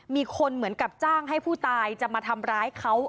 เหมือนกับจ้างให้ผู้ตายจะมาทำร้ายเขา